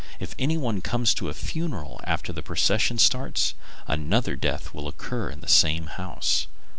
If anyone comes to a funeral after the procession starts, another death will occur in the same house.